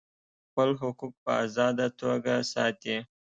خپل حقوق په آزاده توګه ساتي.